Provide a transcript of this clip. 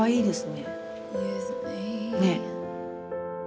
ねえ。